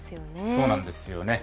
そうなんですよね。